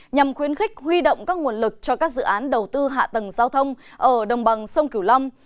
nhằm khuyến khích huy động các nguồn lực cho các dự án đầu tư hạ tầng giao thông ở đồng bằng sông cửu long